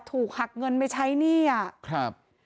ถูกหักเงินไปใช้หนี้อ่ะครับ